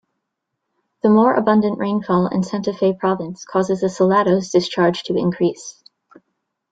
The more abundant rainfall in Santa Fe Province causes the Salado's discharge to increase.